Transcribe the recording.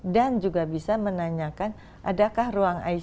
dan juga bisa menanyakan adakah ruang icu di mana